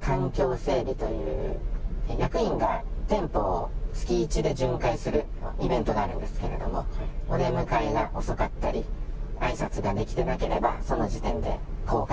環境整備という、役員が店舗を月一で巡回するイベントがあるんですけれども、お出迎えが遅かったり、あいさつができてなければその時点で降格。